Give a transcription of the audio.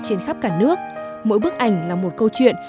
trên khắp cả nước mỗi bức ảnh là một câu chuyện